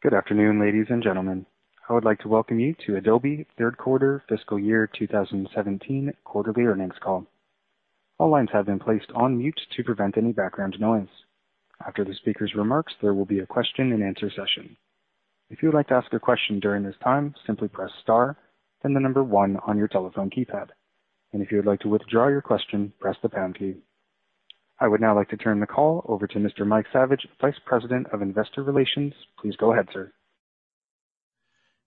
Good afternoon, ladies and gentlemen. I would like to welcome you to Adobe third quarter FY 2017 quarterly earnings call. All lines have been placed on mute to prevent any background noise. After the speaker's remarks, there will be a question and answer session. If you would like to ask a question during this time, simply press star and the number 1 on your telephone keypad. If you would like to withdraw your question, press the pound key. I would now like to turn the call over to Mr. Mike Saviage, Vice President of Investor Relations. Please go ahead, sir.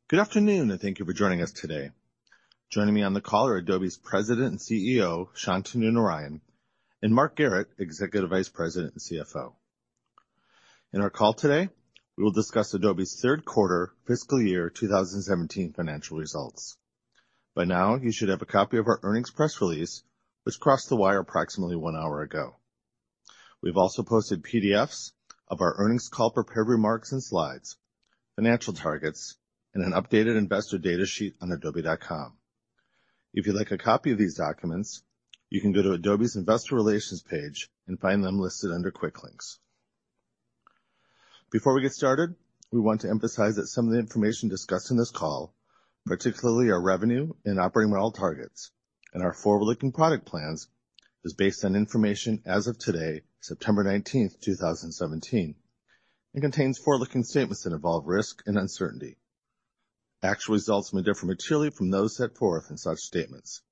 Good afternoon. Thank you for joining us today. Joining me on the call are Adobe's President and CEO, Shantanu Narayen, and Mark Garrett, Executive Vice President and CFO. In our call today, we will discuss Adobe's third quarter FY 2017 financial results. By now, you should have a copy of our earnings press release, which crossed the wire approximately one hour ago. We've also posted PDFs of our earnings call prepared remarks and slides, financial targets, and an updated investor data sheet on adobe.com. If you'd like a copy of these documents, you can go to Adobe's investor relations page and find them listed under Quick Links. Before we get started, we want to emphasize that some of the information discussed in this call, particularly our revenue and operating model targets and our forward-looking product plans, is based on information as of today, September 19, 2017, contains forward-looking statements that involve risk and uncertainty. Actual results may differ materially from those set forth in such statements.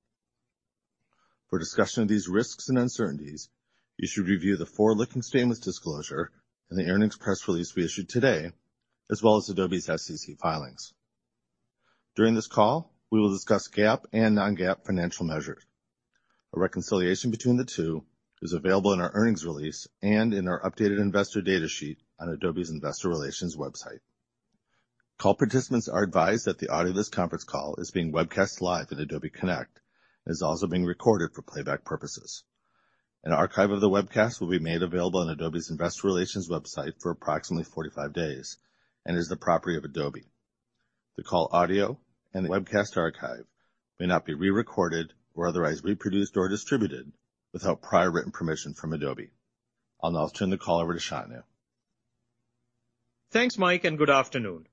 For discussion of these risks and uncertainties, you should review the forward-looking statements disclosure in the earnings press release we issued today, as well as Adobe's SEC filings. During this call, we will discuss GAAP and non-GAAP financial measures. A reconciliation between the two is available in our earnings release and in our updated investor data sheet on Adobe's investor relations website. Call participants are advised that the audio of this conference call is being webcast live in Adobe Connect and is also being recorded for playback purposes. An archive of the webcast will be made available on Adobe's investor relations website for approximately 45 days, and is the property of Adobe. The call audio and the webcast archive may not be re-recorded or otherwise reproduced or distributed without prior written permission from Adobe. I'll now turn the call over to Shantanu. Thanks, Mike, and good afternoon.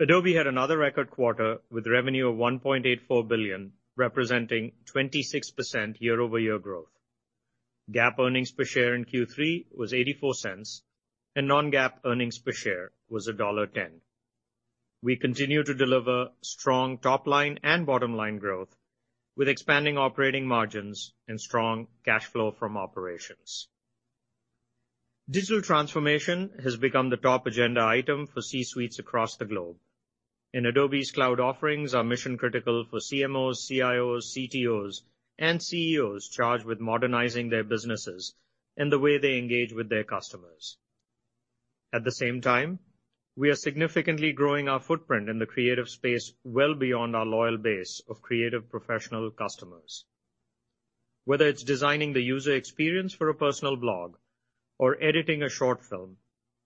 Adobe had another record quarter with revenue of $1.84 billion, representing 26% year-over-year growth. GAAP earnings per share in Q3 was $0.84, and non-GAAP earnings per share was $1.10. We continue to deliver strong top-line and bottom-line growth with expanding operating margins and strong cash flow from operations. Digital transformation has become the top agenda item for C-suites across the globe. Adobe's cloud offerings are mission-critical for CMOs, CIOs, CTOs, and CEOs charged with modernizing their businesses and the way they engage with their customers. At the same time, we are significantly growing our footprint in the creative space well beyond our loyal base of creative professional customers. Whether it's designing the user experience for a personal blog or editing a short film,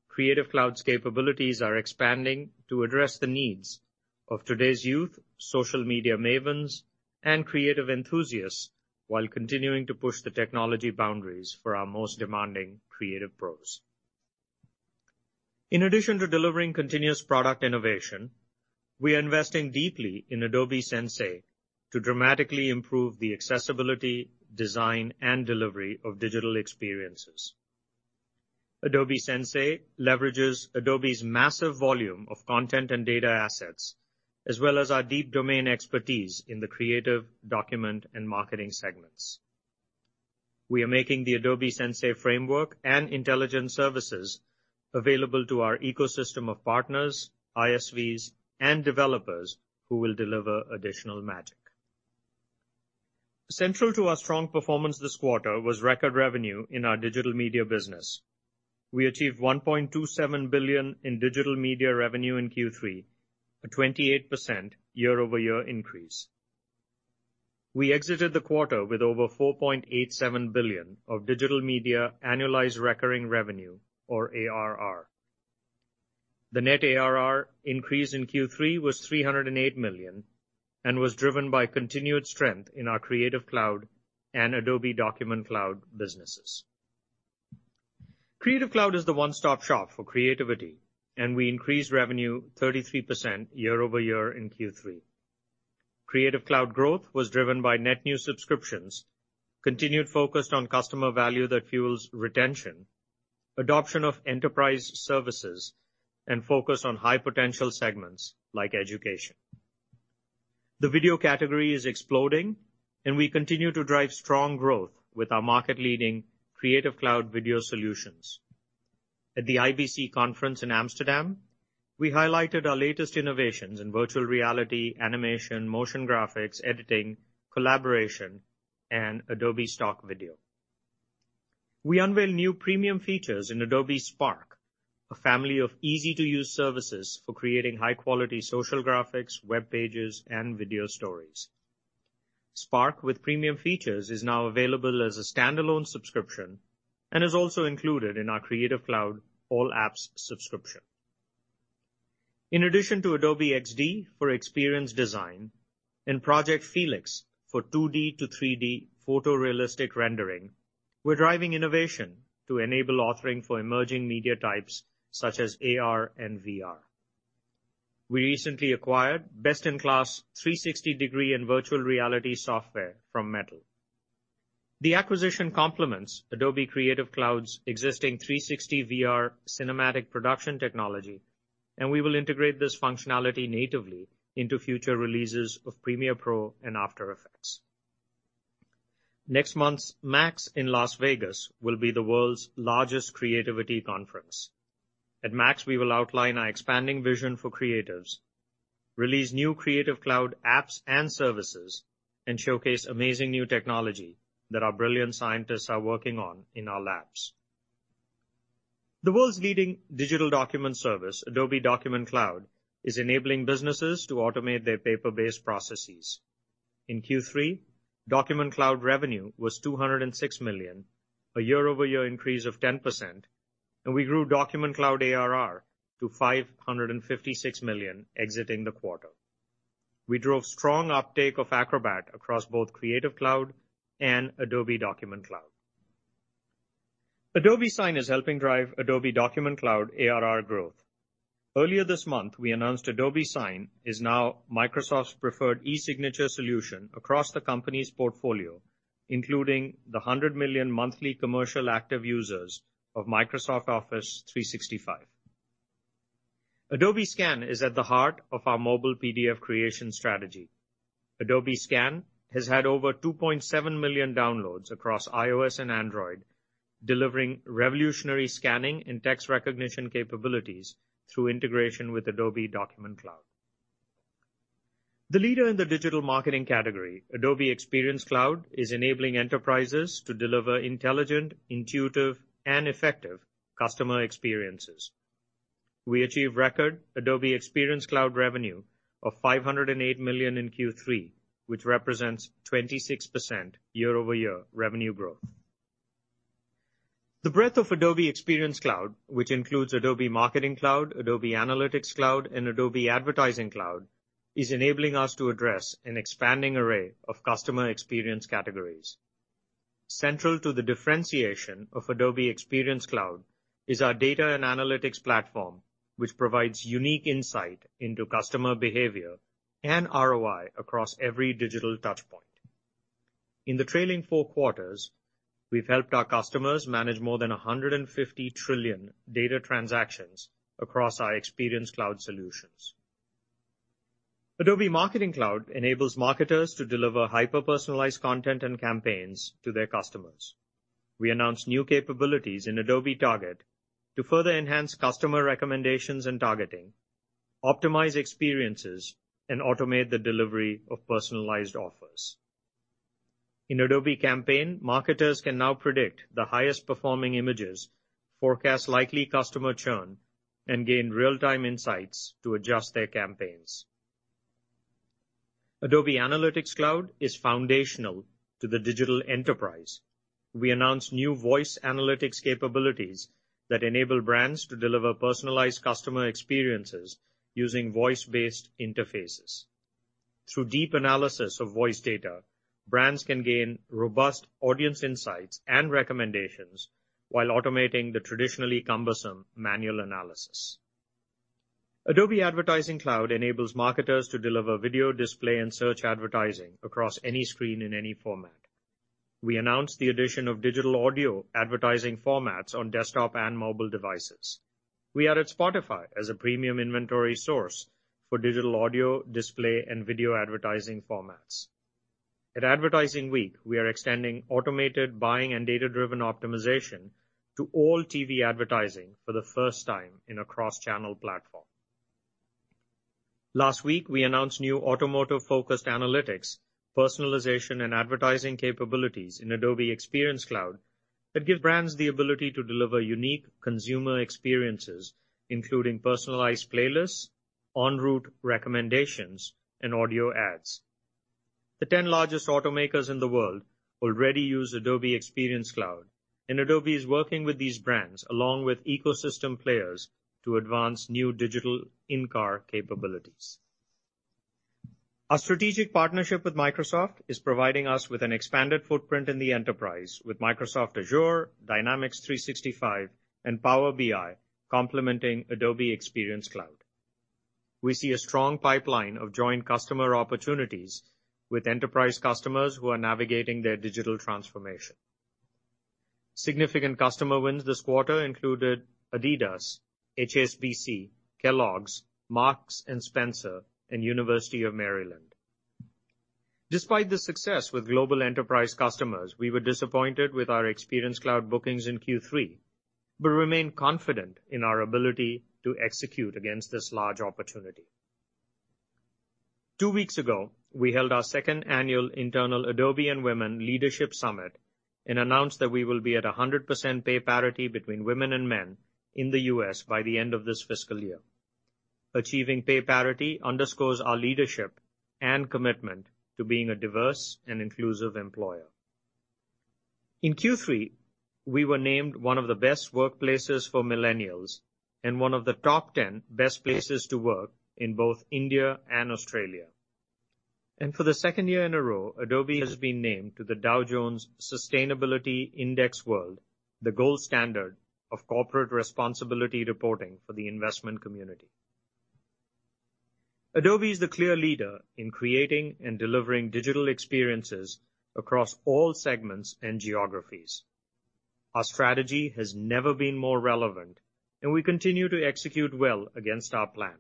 Creative Cloud's capabilities are expanding to address the needs of today's youth, social media mavens, and creative enthusiasts while continuing to push the technology boundaries for our most demanding creative pros. In addition to delivering continuous product innovation, we are investing deeply in Adobe Sensei to dramatically improve the accessibility, design, and delivery of digital experiences. Adobe Sensei leverages Adobe's massive volume of content and data assets as well as our deep domain expertise in the creative document and marketing segments. We are making the Adobe Sensei framework and intelligence services available to our ecosystem of partners, ISVs, and developers who will deliver additional magic. Central to our strong performance this quarter was record revenue in our digital media business. We achieved $1.27 billion in digital media revenue in Q3, a 28% year-over-year increase. We exited the quarter with over $4.87 billion of digital media annualized recurring revenue or ARR. The net ARR increase in Q3 was $308 million and was driven by continued strength in our Creative Cloud and Adobe Document Cloud businesses. Creative Cloud is the one-stop shop for creativity. We increased revenue 33% year-over-year in Q3. Creative Cloud growth was driven by net new subscriptions, continued focus on customer value that fuels retention, adoption of enterprise services, and focus on high-potential segments like education. The video category is exploding. We continue to drive strong growth with our market-leading Creative Cloud video solutions. At the IBC Conference in Amsterdam, we highlighted our latest innovations in virtual reality, animation, motion graphics, editing, collaboration, and Adobe Stock video. We unveiled new premium features in Adobe Spark, a family of easy-to-use services for creating high-quality social graphics, web pages, and video stories. Spark with premium features is now available as a standalone subscription and is also included in our Creative Cloud All Apps subscription. In addition to Adobe XD for experience design and Project Felix for 2D to 3D photorealistic rendering, we're driving innovation to enable authoring for emerging media types such as AR and VR. We recently acquired best-in-class 360-degree and virtual reality software from Mettle. The acquisition complements Adobe Creative Cloud's existing 360 VR cinematic production technology. We will integrate this functionality natively into future releases of Premiere Pro and After Effects. Next month's Adobe MAX in Las Vegas will be the world's largest creativity conference. At Adobe MAX, we will outline our expanding vision for creatives, release new Creative Cloud apps and services, and showcase amazing new technology that our brilliant scientists are working on in our labs. The world's leading digital document service, Adobe Document Cloud, is enabling businesses to automate their paper-based processes. In Q3, Document Cloud revenue was $206 million, a year-over-year increase of 10%, and we grew Document Cloud ARR to $556 million exiting the quarter. We drove strong uptake of Acrobat across both Creative Cloud and Adobe Document Cloud. Adobe Sign is helping drive Adobe Document Cloud ARR growth. Earlier this month, we announced Adobe Sign is now Microsoft's preferred e-signature solution across the company's portfolio, including the 100 million monthly commercial active users of Microsoft Office 365. Adobe Scan is at the heart of our mobile PDF creation strategy. Adobe Scan has had over 2.7 million downloads across iOS and Android, delivering revolutionary scanning and text recognition capabilities through integration with Adobe Document Cloud. The leader in the digital marketing category, Adobe Experience Cloud, is enabling enterprises to deliver intelligent, intuitive, and effective customer experiences. We achieved record Adobe Experience Cloud revenue of $508 million in Q3, which represents 26% year-over-year revenue growth. The breadth of Adobe Experience Cloud, which includes Adobe Marketing Cloud, Adobe Analytics Cloud, and Adobe Advertising Cloud, is enabling us to address an expanding array of customer experience categories. Central to the differentiation of Adobe Experience Cloud is our data and analytics platform, which provides unique insight into customer behavior and ROI across every digital touch point. In the trailing four quarters, we've helped our customers manage more than 150 trillion data transactions across our Experience Cloud solutions. Adobe Marketing Cloud enables marketers to deliver hyper-personalized content and campaigns to their customers. We announced new capabilities in Adobe Target to further enhance customer recommendations and targeting, optimize experiences, and automate the delivery of personalized offers. In Adobe Campaign, marketers can now predict the highest performing images, forecast likely customer churn, and gain real-time insights to adjust their campaigns. Adobe Analytics Cloud is foundational to the digital enterprise. We announced new voice analytics capabilities that enable brands to deliver personalized customer experiences using voice-based interfaces. Through deep analysis of voice data, brands can gain robust audience insights and recommendations while automating the traditionally cumbersome manual analysis. Adobe Advertising Cloud enables marketers to deliver video display and search advertising across any screen in any format. We announced the addition of digital audio advertising formats on desktop and mobile devices. We added Spotify as a premium inventory source for digital audio display and video advertising formats. At Advertising Week, we are extending automated buying and data-driven optimization to all TV advertising for the first time in a cross-channel platform. Last week, we announced new automotive-focused analytics, personalization, and advertising capabilities in Adobe Experience Cloud that give brands the ability to deliver unique consumer experiences, including personalized playlists, en route recommendations, and audio ads. The 10 largest automakers in the world already use Adobe Experience Cloud, and Adobe is working with these brands along with ecosystem players to advance new digital in-car capabilities. Our strategic partnership with Microsoft is providing us with an expanded footprint in the enterprise with Microsoft Azure, Dynamics 365, and Power BI complementing Adobe Experience Cloud. We see a strong pipeline of joint customer opportunities with enterprise customers who are navigating their digital transformation. Significant customer wins this quarter included Adidas, HSBC, Kellogg's, Marks and Spencer, and University of Maryland. Despite the success with global enterprise customers, we were disappointed with our Experience Cloud bookings in Q3 but remain confident in our ability to execute against this large opportunity. Two weeks ago, we held our second annual internal Adobe & Women Leadership Summit and announced that we will be at 100% pay parity between women and men in the U.S. by the end of this fiscal year. Achieving pay parity underscores our leadership and commitment to being a diverse and inclusive employer. In Q3, we were named one of the best workplaces for millennials and one of the top 10 best places to work in both India and Australia. For the second year in a row, Adobe has been named to the Dow Jones Sustainability Index World, the gold standard of corporate responsibility reporting for the investment community. Adobe is the clear leader in creating and delivering digital experiences across all segments and geographies. Our strategy has never been more relevant, and we continue to execute well against our plan.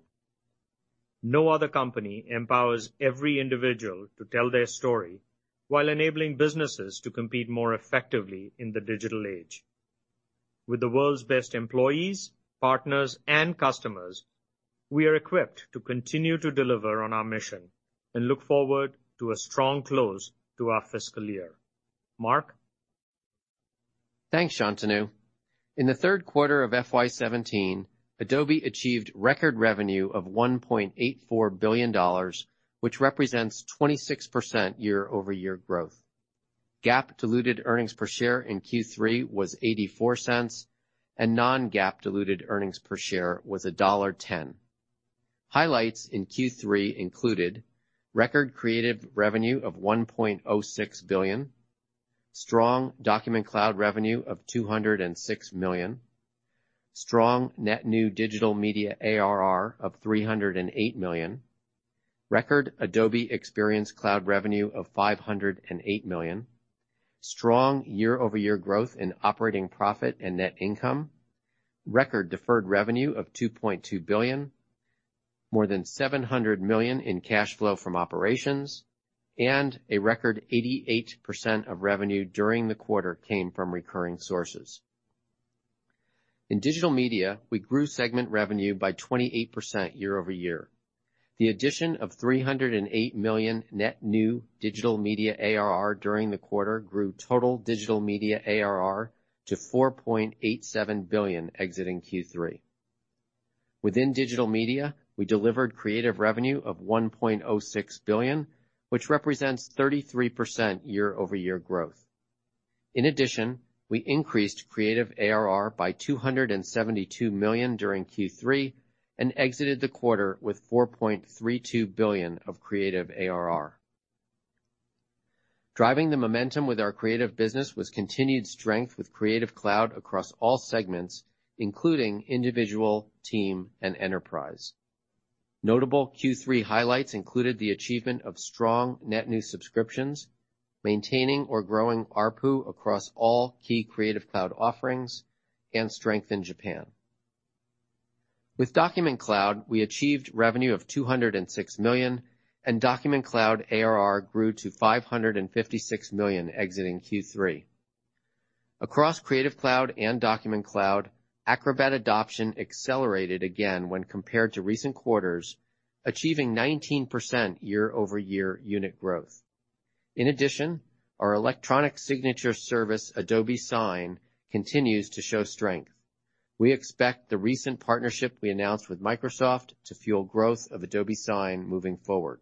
No other company empowers every individual to tell their story while enabling businesses to compete more effectively in the digital age. With the world's best employees, partners, and customers, we are equipped to continue to deliver on our mission and look forward to a strong close to our fiscal year. Mark? Thanks, Shantanu. In the third quarter of FY 2017, Adobe achieved record revenue of $1.84 billion, which represents 26% year-over-year growth. GAAP diluted earnings per share in Q3 was $0.84, and non-GAAP diluted earnings per share was $1.10. Highlights in Q3 included record Creative revenue of $1.06 billion, strong Document Cloud revenue of $206 million, strong net new Digital Media ARR of $308 million, record Adobe Experience Cloud revenue of $508 million, strong year-over-year growth in operating profit and net income, record deferred revenue of $2.2 billion, more than $700 million in cash flow from operations, and a record 88% of revenue during the quarter came from recurring sources. In Digital Media, we grew segment revenue by 28% year-over-year. The addition of $308 million net new Digital Media ARR during the quarter grew total Digital Media ARR to $4.87 billion exiting Q3. Within Digital Media, we delivered Creative revenue of $1.06 billion, which represents 33% year-over-year growth. In addition, we increased Creative ARR by $272 million during Q3 and exited the quarter with $4.32 billion of Creative ARR. Driving the momentum with our Creative business was continued strength with Creative Cloud across all segments, including individual, team, and enterprise. Notable Q3 highlights included the achievement of strong net new subscriptions, maintaining or growing ARPU across all key Creative Cloud offerings, and strength in Japan. With Document Cloud, we achieved revenue of $206 million and Document Cloud ARR grew to $556 million exiting Q3. Across Creative Cloud and Document Cloud, Acrobat adoption accelerated again when compared to recent quarters, achieving 19% year-over-year unit growth. In addition, our electronic signature service, Adobe Sign, continues to show strength. We expect the recent partnership we announced with Microsoft to fuel growth of Adobe Sign moving forward.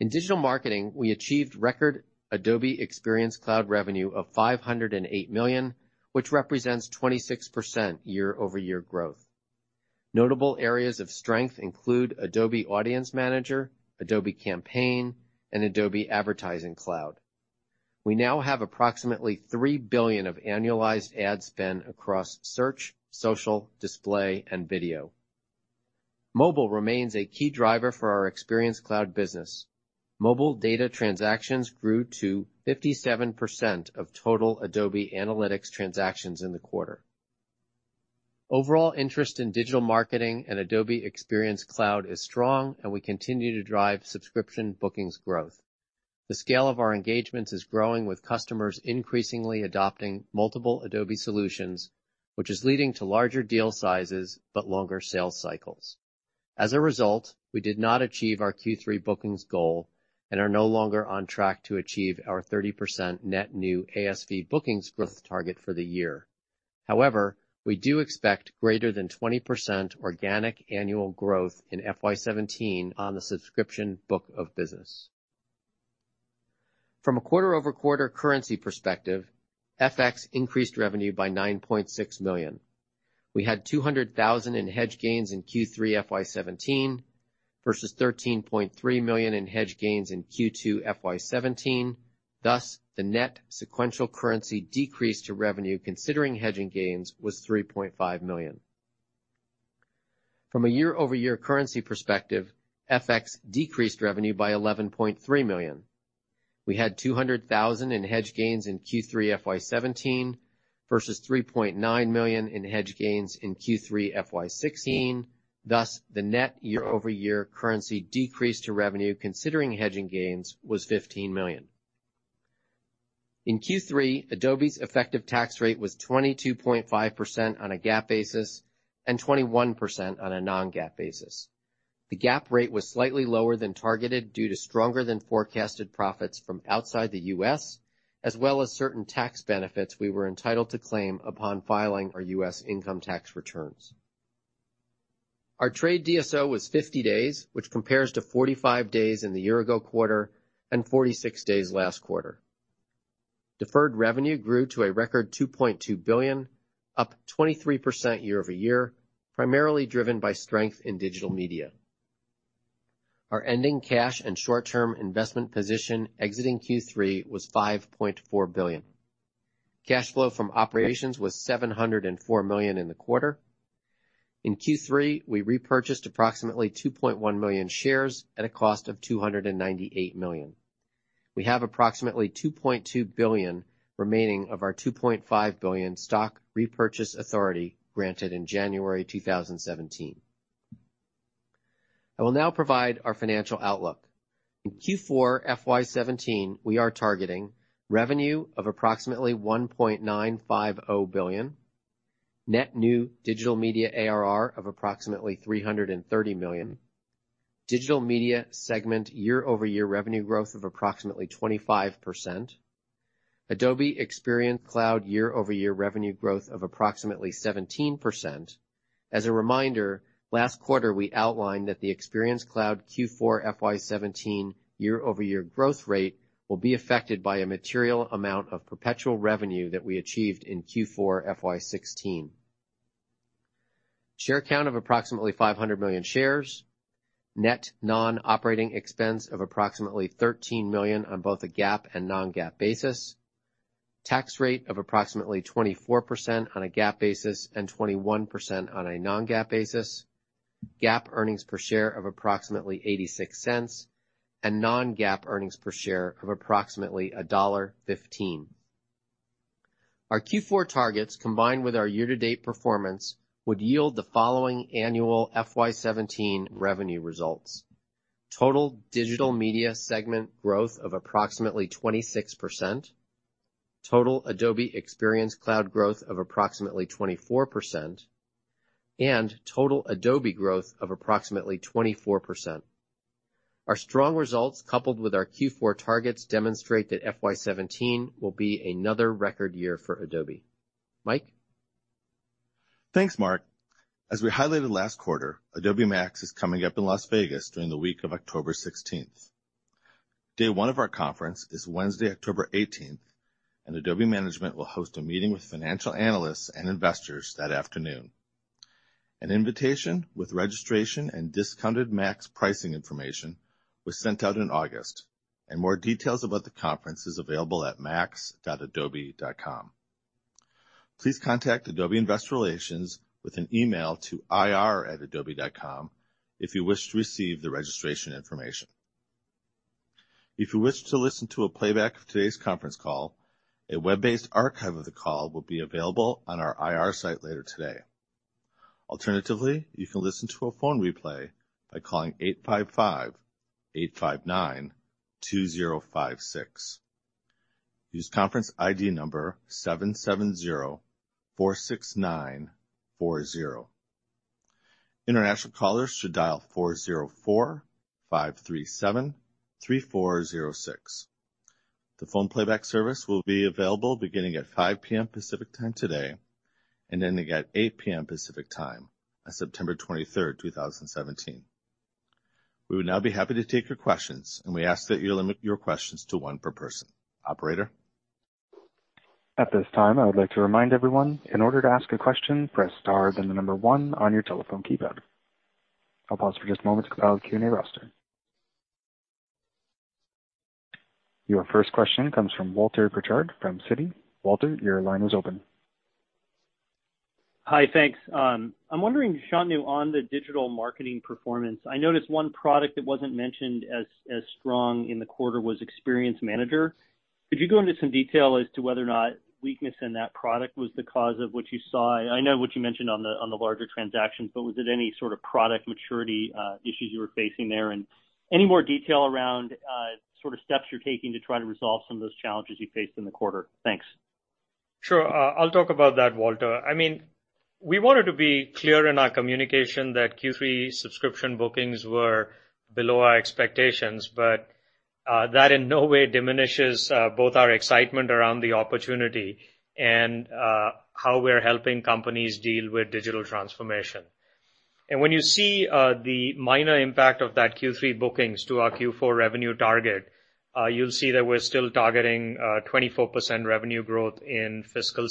In digital marketing, we achieved record Adobe Experience Cloud revenue of $508 million, which represents 26% year-over-year growth. Notable areas of strength include Adobe Audience Manager, Adobe Campaign, and Adobe Advertising Cloud. We now have approximately $3 billion of annualized ad spend across search, social, display, and video. Mobile remains a key driver for our Experience Cloud business. Mobile data transactions grew to 57% of total Adobe Analytics transactions in the quarter. Overall interest in digital marketing and Adobe Experience Cloud is strong, and we continue to drive subscription bookings growth. The scale of our engagements is growing with customers increasingly adopting multiple Adobe solutions, which is leading to larger deal sizes but longer sales cycles. As a result, we did not achieve our Q3 bookings goal and are no longer on track to achieve our 30% net new ASV bookings growth target for the year. We do expect greater than 20% organic annual growth in FY 2017 on the subscription book of business. From a quarter-over-quarter currency perspective, FX increased revenue by $9.6 million. We had $200,000 in hedge gains in Q3 FY 2017 versus $13.3 million in hedge gains in Q2 FY 2017. Thus, the net sequential currency decrease to revenue considering hedging gains was $3.5 million. From a year-over-year currency perspective, FX decreased revenue by $11.3 million. We had $200,000 in hedge gains in Q3 FY 2017 versus $3.9 million in hedge gains in Q3 FY 2016. Thus, the net year-over-year currency decrease to revenue considering hedging gains was $15 million. In Q3, Adobe's effective tax rate was 22.5% on a GAAP basis and 21% on a non-GAAP basis. The GAAP rate was slightly lower than targeted due to stronger than forecasted profits from outside the U.S., as well as certain tax benefits we were entitled to claim upon filing our U.S. income tax returns. Our trade DSO was 50 days, which compares to 45 days in the year ago quarter and 46 days last quarter. Deferred revenue grew to a record $2.2 billion, up 23% year-over-year, primarily driven by strength in digital media. Our ending cash and short-term investment position exiting Q3 was $5.4 billion. Cash flow from operations was $704 million in the quarter. In Q3, we repurchased approximately 2.1 million shares at a cost of $298 million. We have approximately $2.2 billion remaining of our $2.5 billion stock repurchase authority granted in January 2017. I will now provide our financial outlook. In Q4 FY 2017, we are targeting revenue of approximately $1.950 billion, net new Digital Media ARR of approximately $330 million, Digital Media segment year-over-year revenue growth of approximately 25%, Adobe Experience Cloud year-over-year revenue growth of approximately 17%. As a reminder, last quarter we outlined that the Experience Cloud Q4 FY 2017 year-over-year growth rate will be affected by a material amount of perpetual revenue that we achieved in Q4 FY 2016. Share count of approximately 500 million shares, net non-operating expense of approximately $13 million on both a GAAP and non-GAAP basis, tax rate of approximately 24% on a GAAP basis and 21% on a non-GAAP basis, GAAP earnings per share of approximately $0.86, and non-GAAP earnings per share of approximately $1.15. Our Q4 targets, combined with our year-to-date performance, would yield the following annual FY 2017 revenue results. Total Digital Media segment growth of approximately 26%, total Adobe Experience Cloud growth of approximately 24%, total Adobe growth of approximately 24%. Our strong results, coupled with our Q4 targets, demonstrate that FY 2017 will be another record year for Adobe. Mike? Thanks, Mark. As we highlighted last quarter, Adobe MAX is coming up in Las Vegas during the week of October 16th. Day one of our conference is Wednesday, October 18th. Adobe management will host a meeting with financial analysts and investors that afternoon. An invitation with registration and discounted MAX pricing information was sent out in August. More details about the conference is available at max.adobe.com. Please contact Adobe Investor Relations with an email to ir@adobe.com if you wish to receive the registration information. If you wish to listen to a playback of today's conference call, a web-based archive of the call will be available on our IR site later today. Alternatively, you can listen to a phone replay by calling 855-859-2056. Use conference ID number 77046940. International callers should dial 4045373406. The phone playback service will be available beginning at 5:00 P.M. Pacific Time today and ending at 8:00 P.M. Pacific Time on September 23, 2017. We would now be happy to take your questions. We ask that you limit your questions to one per person. Operator? At this time, I would like to remind everyone, in order to ask a question, press star, then the number one on your telephone keypad. I'll pause for just a moment to compile a Q&A roster. Your first question comes from Walter Pritchard from Citi. Walter, your line is open. Hi, thanks. I'm wondering, Shantanu, on the digital marketing performance, I noticed one product that wasn't mentioned as strong in the quarter was Adobe Experience Manager. Could you go into some detail as to whether or not weakness in that product was the cause of what you saw? I know what you mentioned on the larger transactions, but was it any sort of product maturity issues you were facing there? Any more detail around steps you're taking to try to resolve some of those challenges you faced in the quarter? Thanks. Sure. I'll talk about that, Walter. We wanted to be clear in our communication that Q3 subscription bookings were below our expectations, that in no way diminishes both our excitement around the opportunity and how we're helping companies deal with digital transformation. When you see the minor impact of that Q3 bookings to our Q4 revenue target, you'll see that we're still targeting a 24% revenue growth in fiscal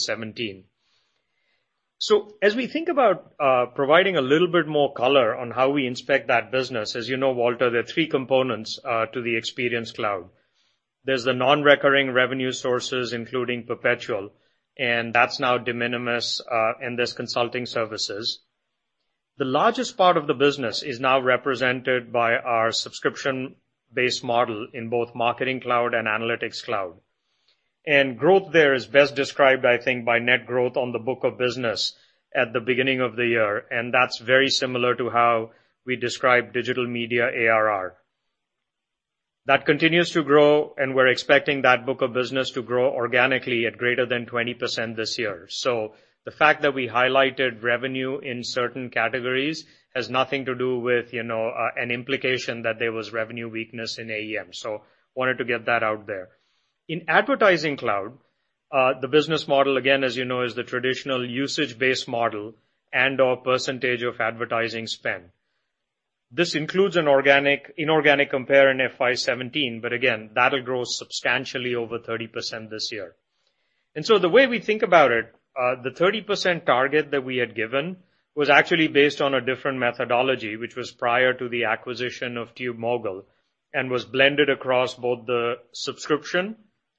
2017. As we think about providing a little bit more color on how we inspect that business, as you know, Walter, there are three components to the Adobe Experience Cloud. There's the non-recurring revenue sources, including perpetual, and that's now de minimis in this consulting services. The largest part of the business is now represented by our subscription-based model in both Adobe Marketing Cloud and Analytics Cloud. Growth there is best described, I think, by net growth on the book of business at the beginning of the year, and that's very similar to how we describe digital media ARR. That continues to grow, and we're expecting that book of business to grow organically at greater than 20% this year. The fact that we highlighted revenue in certain categories has nothing to do with an implication that there was revenue weakness in AEM. Wanted to get that out there. In Adobe Advertising Cloud- The business model, again, as you know, is the traditional usage-based model and/or percentage of advertising spend. This includes an inorganic compare in FY 2017, again, that'll grow substantially over 30% this year. The way we think about it, the 30% target that we had given was actually based on a different methodology, which was prior to the acquisition of TubeMogul, and was blended across both the subscription and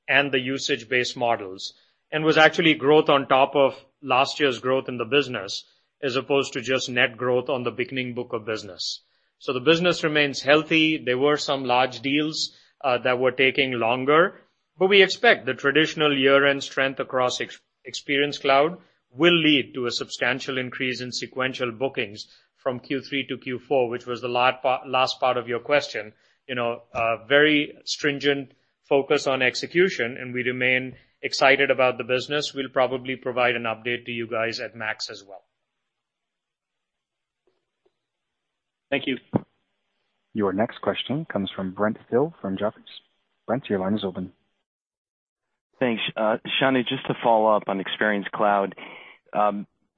the usage-based models, and was actually growth on top of last year's growth in the business, as opposed to just net growth on the beginning book of business. The business remains healthy. There were some large deals that were taking longer, we expect the traditional year-end strength across Adobe Experience Cloud will lead to a substantial increase in sequential bookings from Q3 to Q4, which was the last part of your question. A very stringent focus on execution. We remain excited about the business. We'll probably provide an update to you guys at Adobe MAX as well. Thank you. Your next question comes from Brent Thill from Jefferies. Brent, your line is open. Thanks. Shantanu, just to follow up on Adobe Experience Cloud.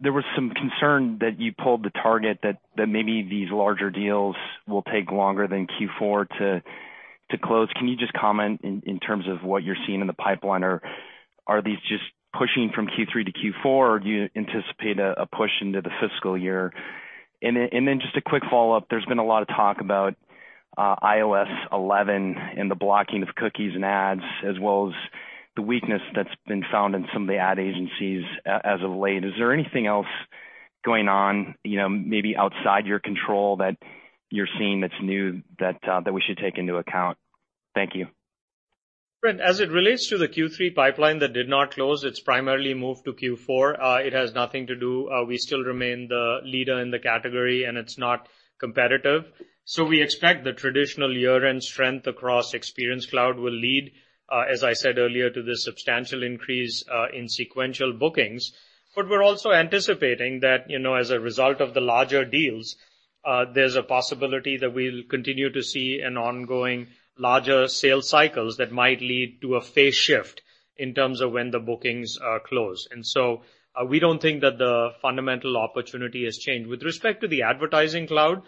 There was some concern that you pulled the target that maybe these larger deals will take longer than Q4 to close. Can you just comment in terms of what you're seeing in the pipeline, or are these just pushing from Q3 to Q4, or do you anticipate a push into the fiscal year? Then just a quick follow-up, there's been a lot of talk about iOS 11 and the blocking of cookies and ads, as well as the weakness that's been found in some of the ad agencies as of late. Is there anything else going on, maybe outside your control that you're seeing that's new that we should take into account? Thank you. Brent, as it relates to the Q3 pipeline that did not close, it's primarily moved to Q4. We still remain the leader in the category, and it's not competitive. We expect the traditional year-end strength across Experience Cloud will lead, as I said earlier, to the substantial increase in sequential bookings. We're also anticipating that as a result of the larger deals, there's a possibility that we'll continue to see an ongoing larger sales cycles that might lead to a phase shift in terms of when the bookings close. We don't think that the fundamental opportunity has changed. With respect to the Advertising Cloud,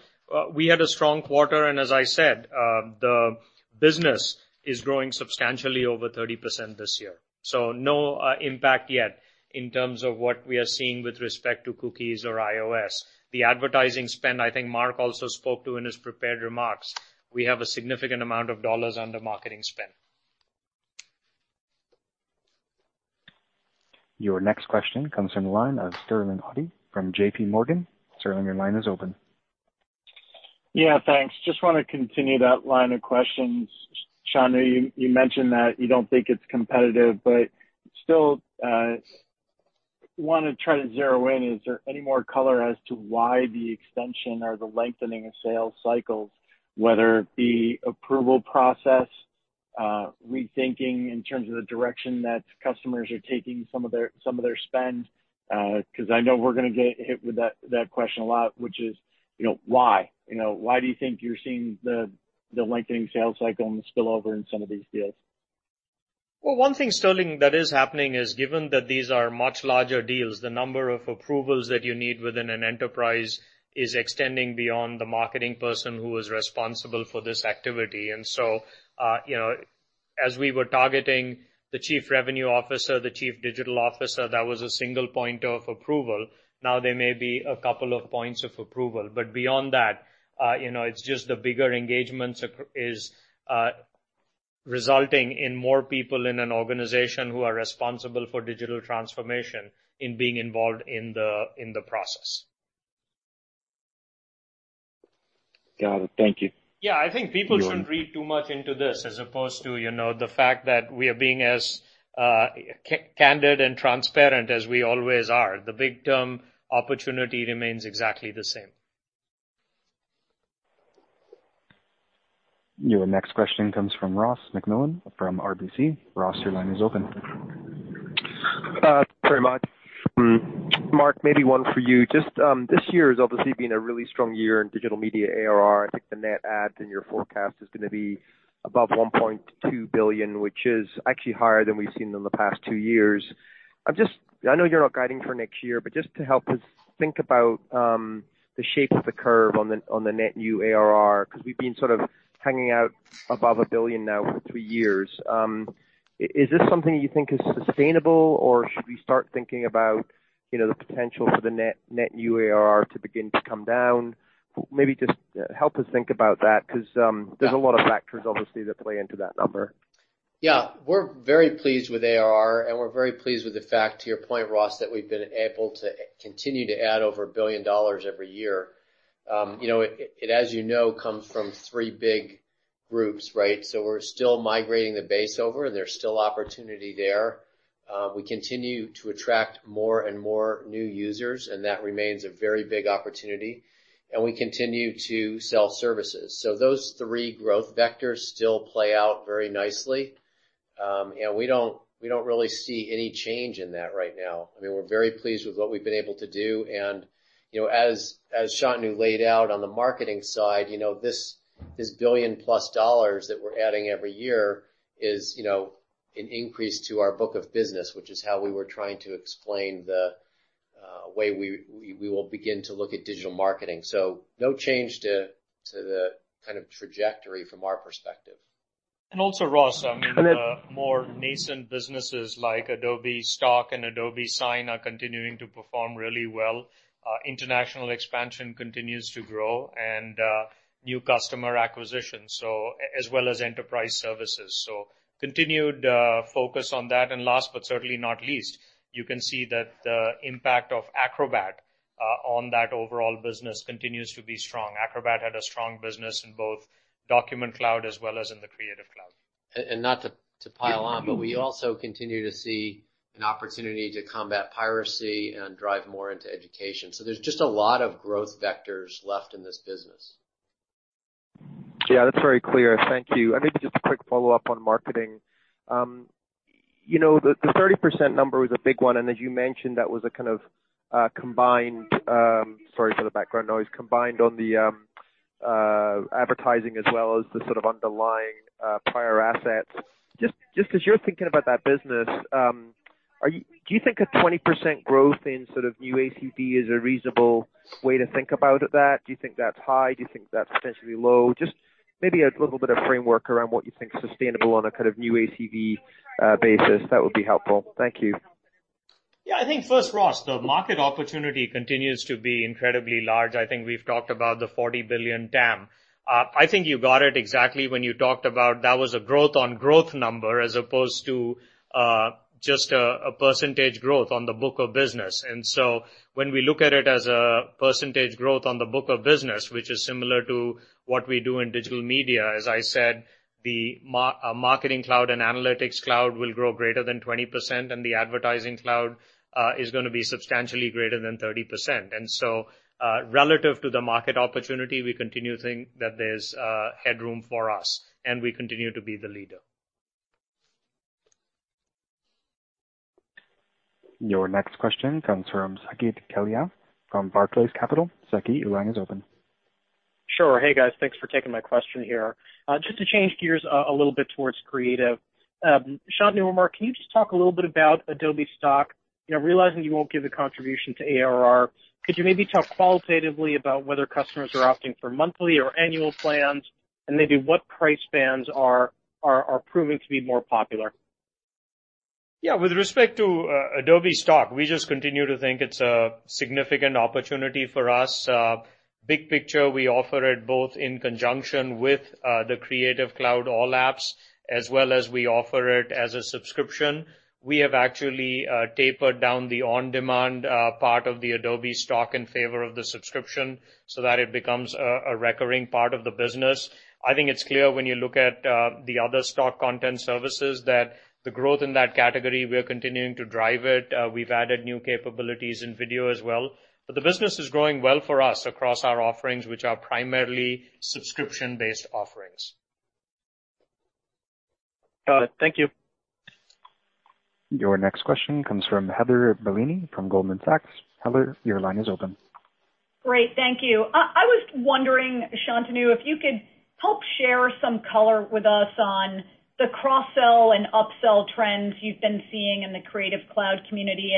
we had a strong quarter, and as I said, the business is growing substantially over 30% this year. No impact yet in terms of what we are seeing with respect to cookies or iOS. The advertising spend, I think Mark also spoke to in his prepared remarks. We have a significant amount of dollars under marketing spend. Your next question comes from the line of Sterling Auty from JPMorgan. Sterling, your line is open. Yeah, thanks. Just want to continue that line of questions. Shantanu, you mentioned that you don't think it's competitive, still want to try to zero in. Is there any more color as to why the extension or the lengthening of sales cycles, whether it be approval process, rethinking in terms of the direction that customers are taking some of their spend? I know we're going to get hit with that question a lot, which is why? Why do you think you're seeing the lengthening sales cycle and the spillover in some of these deals? Well, one thing, Sterling, that is happening is given that these are much larger deals, the number of approvals that you need within an enterprise is extending beyond the marketing person who is responsible for this activity. As we were targeting the Chief Revenue Officer, the Chief Digital Officer, that was a single point of approval. There may be a couple of points of approval. Beyond that, it's just the bigger engagements is resulting in more people in an organization who are responsible for digital transformation in being involved in the process. Got it. Thank you. Yeah, I think people shouldn't read too much into this as opposed to the fact that we are being as candid and transparent as we always are. The big term opportunity remains exactly the same. Your next question comes from Ross MacMillan from RBC. Ross, your line is open. Very much. Mark, maybe one for you. This year has obviously been a really strong year in Digital Media ARR. I think the net add in your forecast is going to be above $1.2 billion, which is actually higher than we've seen in the past two years. I know you're not guiding for next year, but just to help us think about the shape of the curve on the net new ARR, because we've been sort of hanging out above $1 billion now for three years. Is this something you think is sustainable, or should we start thinking about the potential for the net new ARR to begin to come down? Maybe just help us think about that, because there's a lot of factors, obviously, that play into that number. Yeah. We're very pleased with ARR, and we're very pleased with the fact, to your point, Ross, that we've been able to continue to add over $1 billion every year. It, as you know, comes from three big groups, right? We're still migrating the base over, there's still opportunity there. We continue to attract more and more new users, that remains a very big opportunity, we continue to sell services. Those three growth vectors still play out very nicely. We don't really see any change in that right now. I mean, we're very pleased with what we've been able to do. As Shantanu laid out on the Marketing side, this $1 billion-plus that we're adding every year is an increase to our book of business, which is how we were trying to explain the way we will begin to look at Digital Marketing. No change to the kind of trajectory from our perspective. Also Ross, more nascent businesses like Adobe Stock and Adobe Sign are continuing to perform really well. International expansion continues to grow, new customer acquisitions, as well as enterprise services. Continued focus on that. Last but certainly not least, you can see that the impact of Acrobat on that overall business continues to be strong. Acrobat had a strong business in both Document Cloud as well as in the Creative Cloud. Not to pile on, but we also continue to see an opportunity to combat piracy and drive more into education. There's just a lot of growth vectors left in this business. Yeah, that's very clear. Thank you. Maybe just a quick follow-up on Marketing. The 30% number was a big one, and as you mentioned, that was a kind of combined, sorry for the background noise, combined on the Advertising as well as the sort of underlying prior assets. Just as you're thinking about that business, do you think a 20% growth in sort of new ACV is a reasonable way to think about that? Do you think that's high? Do you think that's potentially low? Just maybe a little bit of framework around what you think is sustainable on a kind of new ACV basis, that would be helpful. Thank you. Yeah, I think first, Ross, the market opportunity continues to be incredibly large. I think we've talked about the $40 billion TAM. I think you got it exactly when you talked about that was a growth on growth number, as opposed to just a percentage growth on the book of business. When we look at it as a percentage growth on the book of business, which is similar to what we do in digital media, as I said, the Marketing Cloud and Analytics Cloud will grow greater than 20%, and the Advertising Cloud is going to be substantially greater than 30%. Relative to the market opportunity, we continue to think that there's headroom for us, and we continue to be the leader. Your next question comes from Saket Kalia from Barclays Capital. Saket, your line is open. Sure. Hey, guys. Thanks for taking my question here. To change gears a little bit towards creative. Shantanu or Mark, can you just talk a little bit about Adobe Stock? Realizing you won't give the contribution to ARR, could you maybe talk qualitatively about whether customers are opting for monthly or annual plans, and maybe what price bands are proving to be more popular? Yeah. With respect to Adobe Stock, we continue to think it's a significant opportunity for us. Big picture, we offer it both in conjunction with the Creative Cloud All Apps, as well as we offer it as a subscription. We have actually tapered down the on-demand part of the Adobe Stock in favor of the subscription, so that it becomes a recurring part of the business. I think it's clear when you look at the other stock content services, that the growth in that category, we are continuing to drive it. We've added new capabilities in video as well. The business is growing well for us across our offerings, which are primarily subscription-based offerings. Got it. Thank you. Your next question comes from Heather Bellini from Goldman Sachs. Heather, your line is open. Great. Thank you. I was wondering, Shantanu, if you could help share some color with us on the cross-sell and up-sell trends you've been seeing in the Creative Cloud community.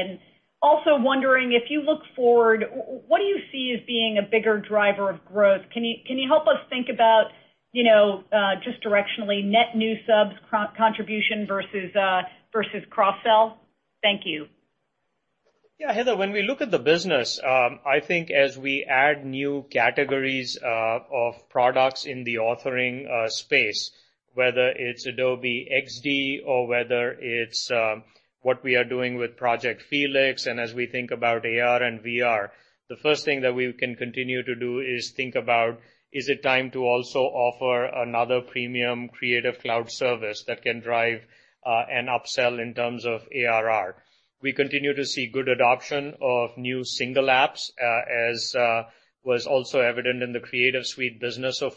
Also wondering, if you look forward, what do you see as being a bigger driver of growth? Can you help us think about just directionally, net new subs contribution versus cross-sell? Thank you. Heather, when we look at the business, I think as we add new categories of products in the authoring space, whether it's Adobe XD or whether it's what we are doing with Project Felix, as we think about AR and VR, the first thing that we can continue to do is think about, is it time to also offer another premium Creative Cloud service that can drive an up-sell in terms of ARR. We continue to see good adoption of new single apps, as was also evident in the Creative Suite business of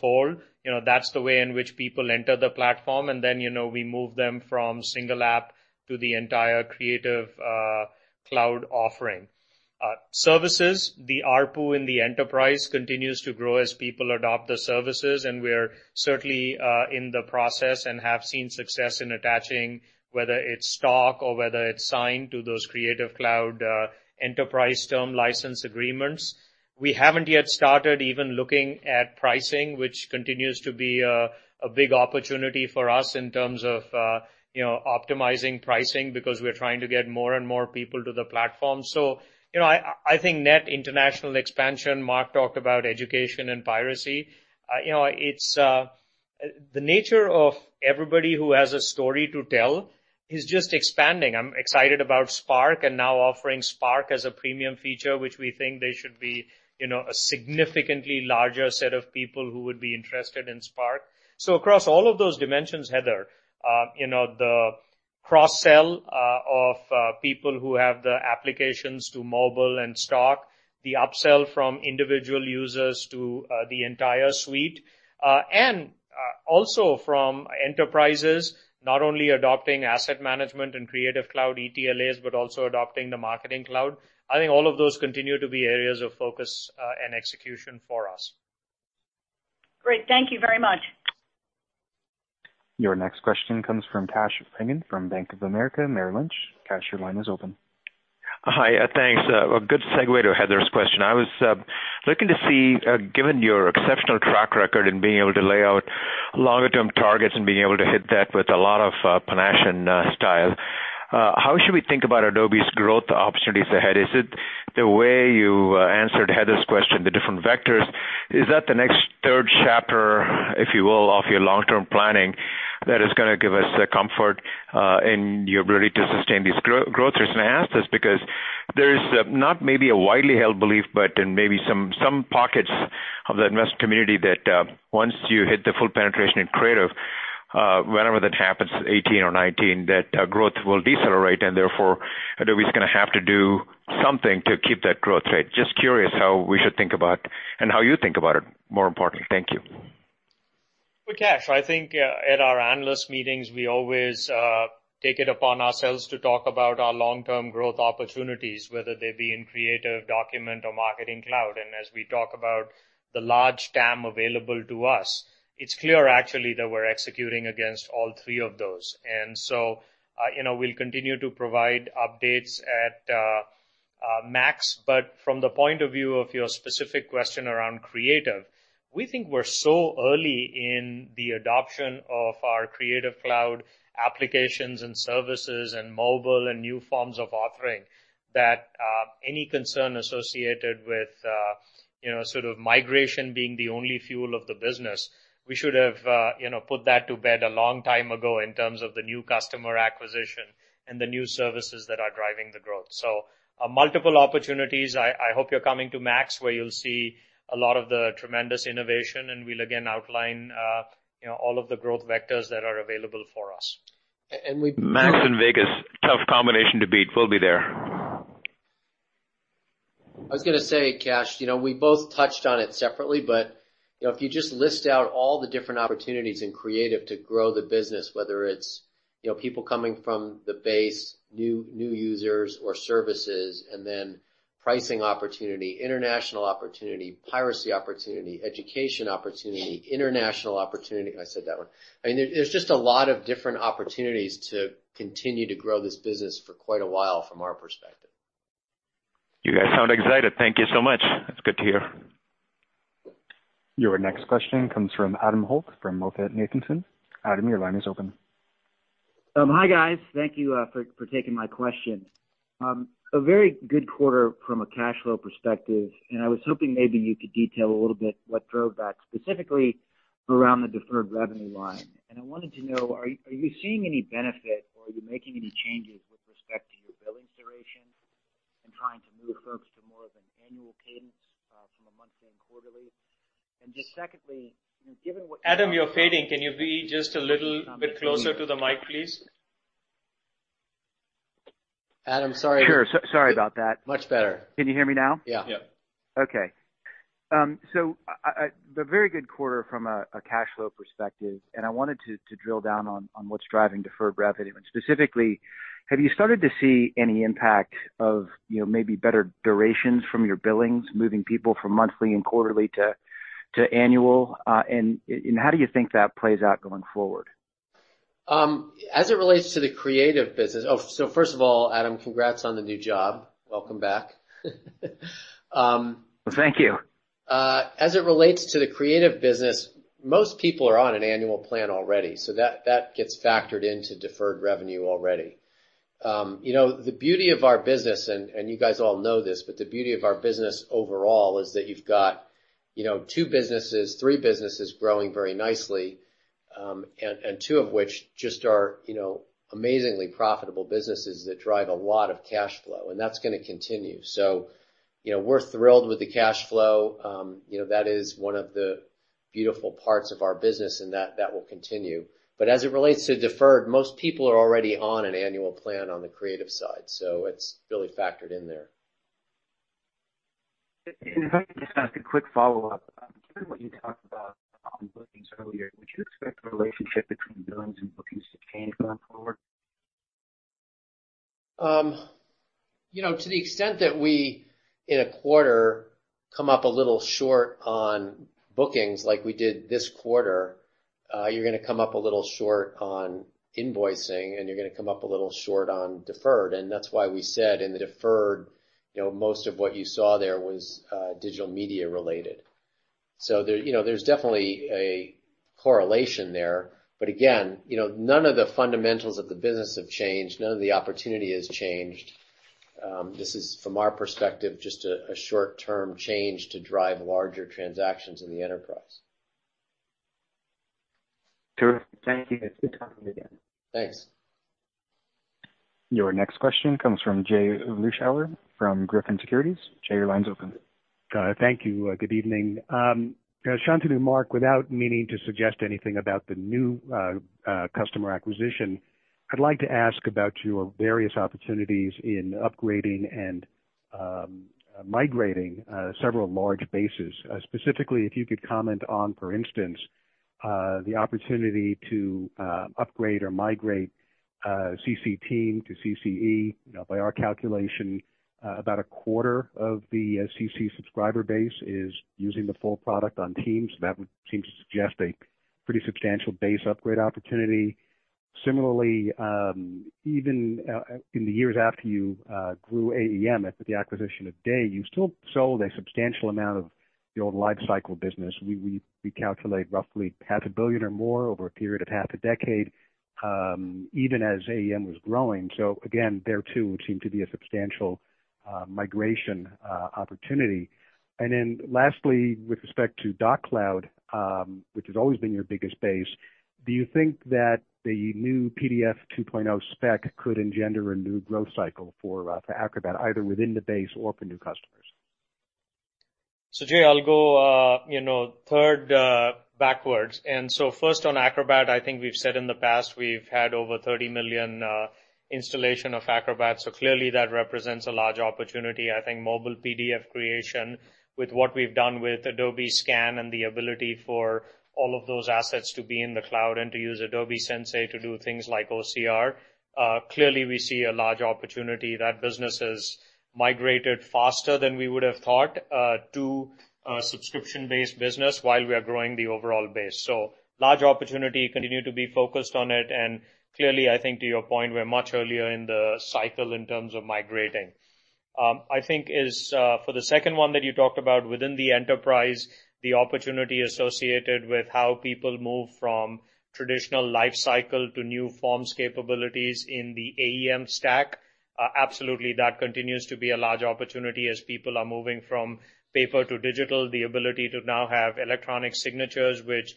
old. That's the way in which people enter the platform, then we move them from single app to the entire Creative Cloud offering. Services, the ARPU in the enterprise continues to grow as people adopt the services, we're certainly in the process and have seen success in attaching, whether it's Adobe Stock or whether it's Adobe Sign to those Creative Cloud enterprise term license agreements. We haven't yet started even looking at pricing, which continues to be a big opportunity for us in terms of optimizing pricing, because we're trying to get more and more people to the platform. I think net international expansion, Mark talked about education and piracy. The nature of everybody who has a story to tell is just expanding. I'm excited about Adobe Spark and now offering Adobe Spark as a premium feature, which we think there should be a significantly larger set of people who would be interested in Adobe Spark. Across all of those dimensions, Heather, the cross-sell of people who have the applications to mobile and Adobe Stock, the up-sell from individual users to the entire suite, also from enterprises, not only adopting asset management and Creative Cloud ETLA, also adopting the Adobe Marketing Cloud. I think all of those continue to be areas of focus and execution for us. Great. Thank you very much. Your next question comes from Kash Rangan from Bank of America Merrill Lynch. Kash, your line is open. Hi. Thanks. A good segue to Heather's question. I was looking to see, given your exceptional track record in being able to lay out longer-term targets and being able to hit that with a lot of panache and style, how should we think about Adobe's growth opportunities ahead? Is it the way you answered Heather's question, the different vectors? Is that the next third chapter, if you will, of your long-term planning that is going to give us the comfort in your ability to sustain these growth rates? I ask this because there's not maybe a widely held belief, but in maybe some pockets of the investment community that once you hit the full penetration in Creative, whenever that happens, 2018 or 2019, that growth will decelerate, and therefore, Adobe's going to have to do something to keep that growth rate. Just curious how we should think about and how you think about it, more importantly. Thank you. Well, Kash, I think at our analyst meetings, we always take it upon ourselves to talk about our long-term growth opportunities, whether they be in Creative, Document, or Marketing Cloud. As we talk about the large TAM available to us, it's clear actually that we're executing against all three of those. We'll continue to provide updates at Max. From the point of view of your specific question around Creative, we think we're so early in the adoption of our Creative Cloud applications and services and mobile and new forms of authoring that any concern associated with sort of migration being the only fuel of the business, we should have put that to bed a long time ago in terms of the new customer acquisition and the new services that are driving the growth. Multiple opportunities. I hope you're coming to Max, where you'll see a lot of the tremendous innovation, we'll again outline all of the growth vectors that are available for us. Max and Vegas, tough combination to beat. We'll be there. I was going to say, Kash, we both touched on it separately, if you just list out all the different opportunities in Creative to grow the business, whether it's people coming from the base, new users or services, pricing opportunity, international opportunity, piracy opportunity, education opportunity, international opportunity. I said that one. I mean, there's just a lot of different opportunities to continue to grow this business for quite a while from our perspective. You guys sound excited. Thank you so much. It's good to hear. Your next question comes from Adam Holt from MoffettNathanson. Adam, your line is open. Hi, guys. Thank you for taking my question. A very good quarter from a cash flow perspective, I was hoping maybe you could detail a little bit what drove that, specifically around the deferred revenue line. I wanted to know, are you seeing any benefit or are you making any changes with respect to your billing duration and trying to move folks to more of an annual cadence from a monthly and quarterly? Just secondly, given what- Adam, you're fading. Can you be just a little bit closer to the mic, please? Adam, sorry. Sure. Sorry about that. Much better. Can you hear me now? Yeah. Yeah. A very good quarter from a cash flow perspective, and I wanted to drill down on what's driving deferred revenue. Specifically, have you started to see any impact of maybe better durations from your billings, moving people from monthly and quarterly to annual? How do you think that plays out going forward? As it relates to the Creative business-- First of all, Adam, congrats on the new job. Welcome back. Thank you. As it relates to the Creative business, most people are on an annual plan already, so that gets factored into deferred revenue already. The beauty of our business, and you guys all know this, but the beauty of our business overall is that you've got two businesses, three businesses growing very nicely, and two of which just are amazingly profitable businesses that drive a lot of cash flow, and that's going to continue. We're thrilled with the cash flow. That is one of the beautiful parts of our business, and that will continue. As it relates to deferred, most people are already on an annual plan on the Creative side, so it's really factored in there. If I could just ask a quick follow-up. Given what you talked about on bookings earlier, would you expect the relationship between billings and bookings to change going forward? To the extent that we, in a quarter, come up a little short on bookings like we did this quarter, you're going to come up a little short on invoicing, and you're going to come up a little short on deferred, and that's why we said in the deferred, most of what you saw there was digital media related. There's definitely a correlation there. Again, none of the fundamentals of the business have changed. None of the opportunity has changed. This is, from our perspective, just a short-term change to drive larger transactions in the enterprise. Terrific. Thank you. It's good talking to you again. Thanks. Your next question comes from Jay Vleeschhouwer from Griffin Securities. Jay, your line's open. Thank you. Good evening. Shantanu, Mark, without meaning to suggest anything about the new customer acquisition, I'd like to ask about your various opportunities in upgrading and migrating several large bases. Specifically, if you could comment on, for instance, the opportunity to upgrade or migrate CC Team to CCE. By our calculation, about a quarter of the CC subscriber base is using the full product on Teams. That would seem to suggest a pretty substantial base upgrade opportunity. Similarly, even in the years after you grew AEM after the acquisition of Day, you still sold a substantial amount of the old lifecycle business. We calculate roughly half a billion or more over a period of half a decade, even as AEM was growing. Again, there too, seemed to be a substantial migration opportunity. Lastly, with respect to Doc Cloud, which has always been your biggest base, do you think that the new PDF 2.0 spec could engender a new growth cycle for Acrobat, either within the base or for new customers? Jay, I'll go third backwards. First on Acrobat, I think we've said in the past we've had over 30 million installation of Acrobat, clearly that represents a large opportunity. I think mobile PDF creation with what we've done with Adobe Scan and the ability for all of those assets to be in the cloud and to use Adobe Sensei to do things like OCR, clearly we see a large opportunity. That business has migrated faster than we would have thought to a subscription-based business while we are growing the overall base. Large opportunity, continue to be focused on it, and clearly, I think to your point, we're much earlier in the cycle in terms of migrating. I think is for the second one that you talked about within the enterprise, the opportunity associated with how people move from traditional life cycle to new forms capabilities in the AEM stack, absolutely that continues to be a large opportunity as people are moving from paper to digital. The ability to now have electronic signatures, which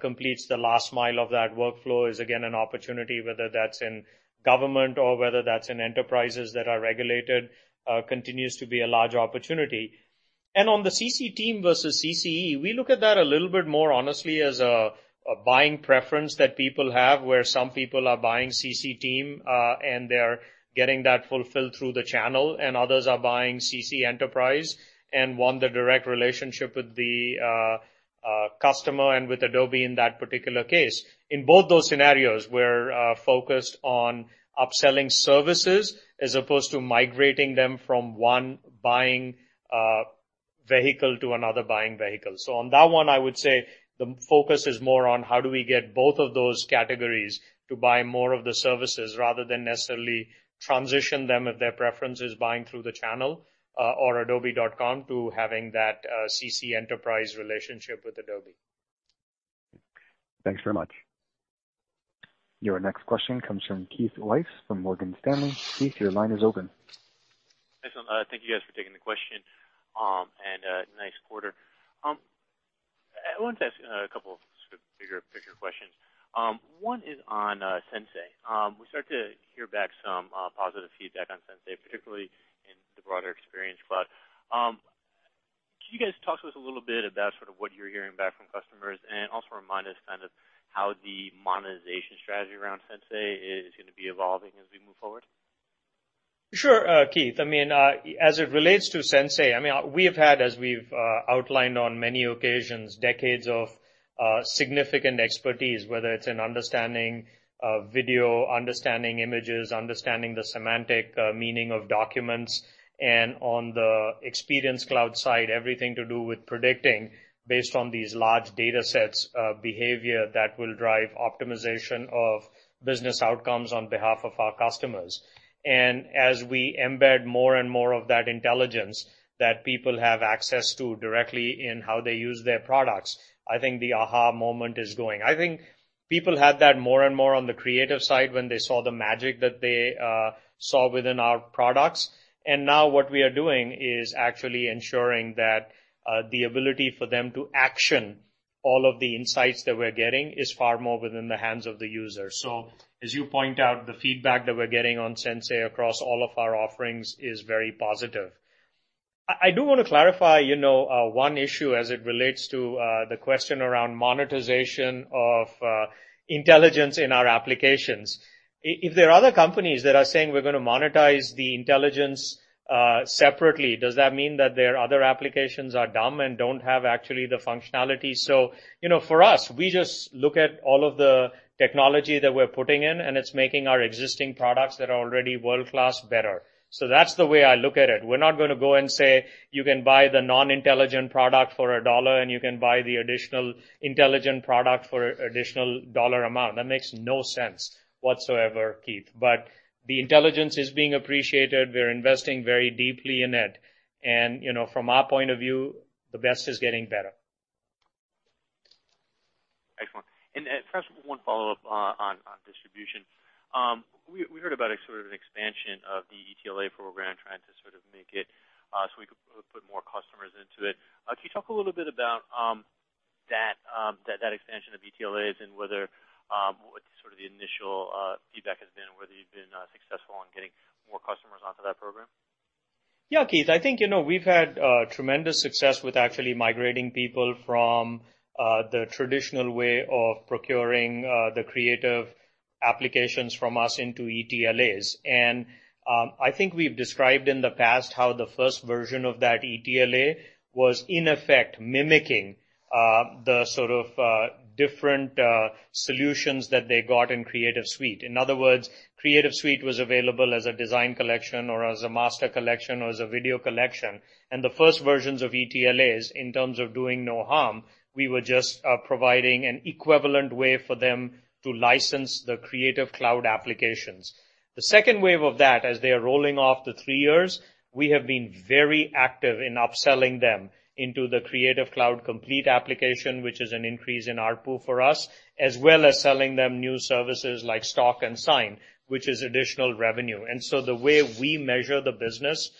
completes the last mile of that workflow, is again, an opportunity, whether that's in government or whether that's in enterprises that are regulated, continues to be a large opportunity. On the CC Team versus CCE, we look at that a little bit more honestly as a buying preference that people have, where some people are buying CC Team, and they're getting that fulfilled through the channel, and others are buying CC Enterprise and want a direct relationship with the customer and with Adobe in that particular case. In both those scenarios, we're focused on upselling services as opposed to migrating them from one buying vehicle to another buying vehicle. On that one, I would say the focus is more on how do we get both of those categories to buy more of the services rather than necessarily transition them if their preference is buying through the channel or adobe.com to having that CC Enterprise relationship with Adobe. Thanks very much. Your next question comes from Keith Weiss from Morgan Stanley. Keith, your line is open. Excellent. Thank you guys for taking the question. Nice quarter. I wanted to ask a couple of sort of bigger picture questions. One is on Sensei. We start to hear back some positive feedback on Sensei, particularly in the broader Experience Cloud. Can you guys talk to us a little bit about sort of what you're hearing back from customers and also remind us kind of how the monetization strategy around Sensei is going to be evolving as we move forward? Sure Keith. As it relates to Sensei, we have had, as we've outlined on many occasions, decades of significant expertise, whether it's in understanding video, understanding images, understanding the semantic meaning of documents, and on the Experience Cloud side, everything to do with predicting based on these large data sets of behavior that will drive optimization of business outcomes on behalf of our customers. As we embed more and more of that intelligence that people have access to directly in how they use their products, I think the aha moment is going. I think people had that more and more on the creative side when they saw the magic that they saw within our products. Now what we are doing is actually ensuring that the ability for them to action all of the insights that we're getting is far more within the hands of the user. As you point out, the feedback that we're getting on Sensei across all of our offerings is very positive. I do want to clarify one issue as it relates to the question around monetization of intelligence in our applications. If there are other companies that are saying we're going to monetize the intelligence separately, does that mean that their other applications are dumb and don't have actually the functionality? For us, we just look at all of the technology that we're putting in, and it's making our existing products that are already world-class better. That's the way I look at it. We're not going to go and say you can buy the non-intelligent product for $1, and you can buy the additional intelligent product for additional dollar amount. That makes no sense whatsoever, Keith. The intelligence is being appreciated. We're investing very deeply in it, and from our point of view, the best is getting better. Excellent. First, one follow-up on distribution. We heard about sort of an expansion of the ETLA program, trying to sort of make it so we could put more customers into it. Can you talk a little bit about that expansion of ETLA and what sort of the initial feedback has been, and whether you've been successful in getting more customers onto that program? Yeah, Keith. I think we've had tremendous success with actually migrating people from the traditional way of procuring the creative applications from us into ETLAs. I think we've described in the past how the first version of that ETLA was in effect mimicking the sort of different solutions that they got in Creative Suite. In other words, Creative Suite was available as a design collection or as a master collection or as a video collection, the first versions of ETLAs, in terms of doing no harm, we were just providing an equivalent way for them to license the Creative Cloud applications. The second wave of that, as they are rolling off the three years, we have been very active in upselling them into the Creative Cloud Complete application, which is an increase in ARPU for us, as well as selling them new services like Stock and Sign, which is additional revenue. The way we measure the business,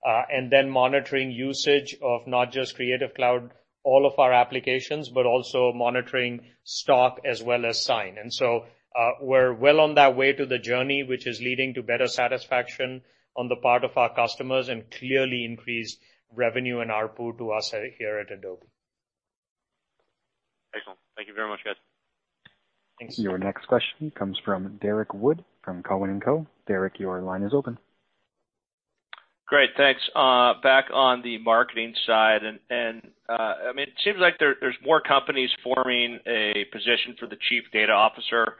and I look at this all the time, is migrating old ETLA customers first to Creative Cloud, then to Creative Cloud Complete, then monitoring usage of not just Creative Cloud, all of our applications, but also monitoring Stock as well as Sign. We're well on that way to the journey, which is leading to better satisfaction on the part of our customers and clearly increased revenue and ARPU to us here at Adobe. Excellent. Thank you very much, guys. Thanks. Your next question comes from Derrick Wood, from Cowen and Company. Derrick, your line is open. Great, thanks. Back on the marketing side, it seems like there's more companies forming a position for the chief data officer.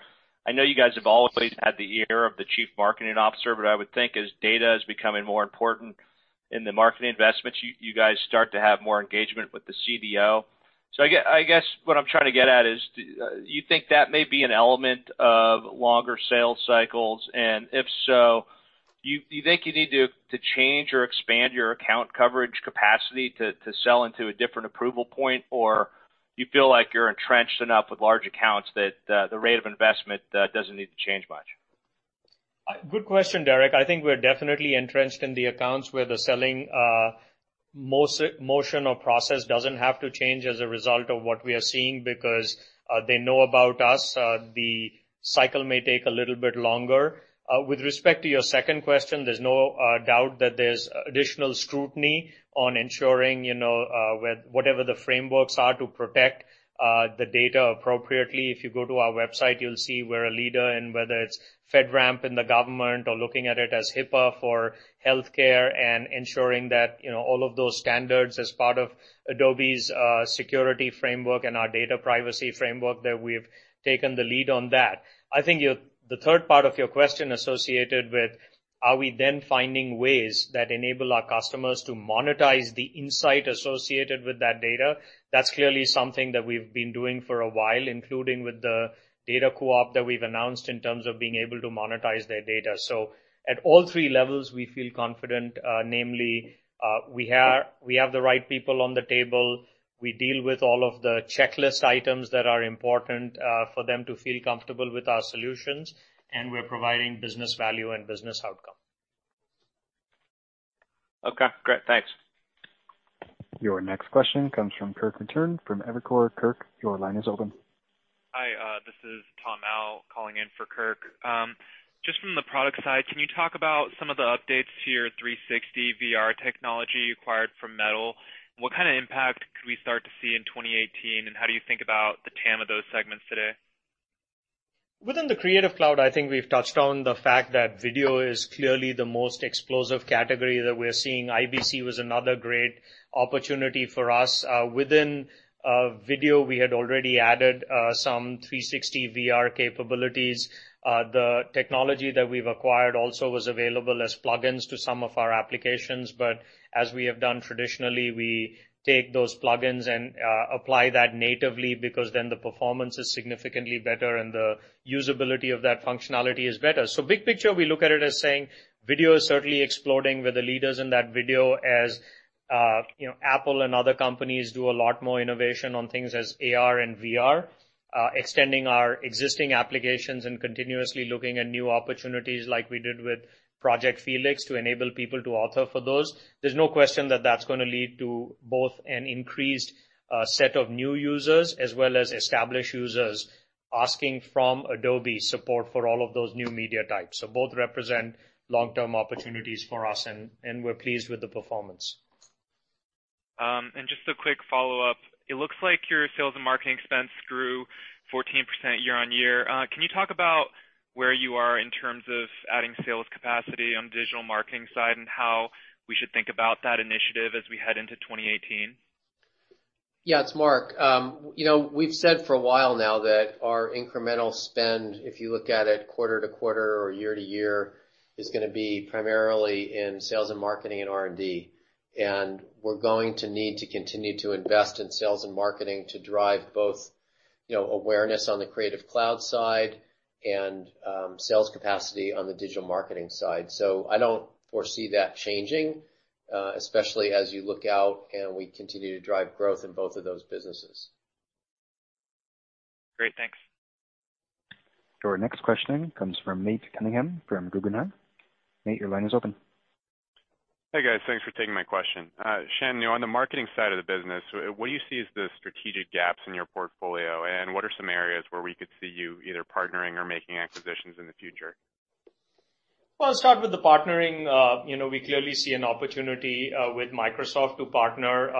I know you guys have always had the ear of the chief marketing officer, I would think as data is becoming more important in the marketing investments, you guys start to have more engagement with the CDO. I guess what I'm trying to get at is, do you think that may be an element of longer sales cycles? If so, do you think you need to change or expand your account coverage capacity to sell into a different approval point, or you feel like you're entrenched enough with large accounts that the rate of investment doesn't need to change much? Good question, Derrick. I think we're definitely entrenched in the accounts where the selling motion or process doesn't have to change as a result of what we are seeing because they know about us. The cycle may take a little bit longer. With respect to your second question, there's no doubt that there's additional scrutiny on ensuring whatever the frameworks are to protect the data appropriately. If you go to our website, you'll see we're a leader in whether it's FedRAMP in the government or looking at it as HIPAA for healthcare and ensuring that all of those standards as part of Adobe's security framework and our data privacy framework, that we've taken the lead on that. I think the third part of your question associated with are we then finding ways that enable our customers to monetize the insight associated with that data, that's clearly something that we've been doing for a while, including with the Device Co-op that we've announced in terms of being able to monetize their data. At all three levels, we feel confident, namely, we have the right people on the table, we deal with all of the checklist items that are important for them to feel comfortable with our solutions, and we're providing business value and business outcome. Okay, great. Thanks. Your next question comes from Kirk Materne from Evercore. Kirk, your line is open. Hi, this is Kirk Materne calling in for Kirk. From the product side, can you talk about some of the updates to your 360 VR technology acquired from Mettle? What kind of impact could we start to see in 2018, how do you think about the TAM of those segments today? Within the Creative Cloud, I think we've touched on the fact that video is clearly the most explosive category that we're seeing. IBC was another great opportunity for us. Within video, we had already added some 360 VR capabilities. The technology that we've acquired also was available as plugins to some of our applications. As we have done traditionally, we take those plugins and apply that natively because then the performance is significantly better and the usability of that functionality is better. Big picture, we look at it as saying video is certainly exploding. We're the leaders in that video as Apple and other companies do a lot more innovation on things as AR and VR, extending our existing applications and continuously looking at new opportunities like we did with Project Felix to enable people to author for those. There's no question that that's going to lead to both an increased set of new users as well as established users asking from Adobe support for all of those new media types. Both represent long-term opportunities for us, we're pleased with the performance. Just a quick follow-up. It looks like your sales and marketing expense grew 14% year-over-year. Can you talk about where you are in terms of adding sales capacity on the digital marketing side and how we should think about that initiative as we head into 2018? Yeah, it's Mark. We've said for a while now that our incremental spend, if you look at it quarter-over-quarter or year-over-year, is going to be primarily in sales and marketing and R&D. We're going to need to continue to invest in sales and marketing to drive both awareness on the Creative Cloud side and sales capacity on the digital marketing side. I don't foresee that changing, especially as you look out and we continue to drive growth in both of those businesses. Great, thanks. Your next question comes from Nate Cunningham from Guggenheim. Nate, your line is open. Hey, guys. Thanks for taking my question. Shantanu, on the marketing side of the business, what do you see as the strategic gaps in your portfolio, and what are some areas where we could see you either partnering or making acquisitions in the future? Well, I'll start with the partnering. We clearly see an opportunity with Microsoft to partner.